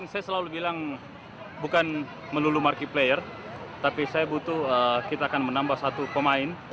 saya selalu bilang bukan melulu markiplayer tapi saya butuh kita akan menambah satu pemain